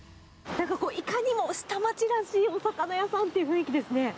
いかにも下町らしいお魚屋さんっていう雰囲気ですね。